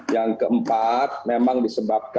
yang keempat memang disebabkan